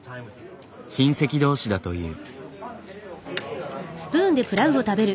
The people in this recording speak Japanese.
親戚同士だという。